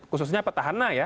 khususnya petahana ya